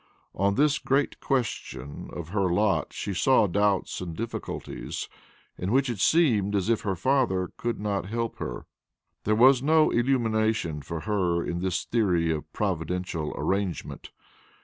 On this great question of her lot she saw doubts and difficulties, in which it seemed as if her father could not help her. There was no illumination for her in this theory of providential arrangement.